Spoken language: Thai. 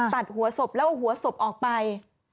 ตัดหัวศพแล้วเอาหัวศพออกไป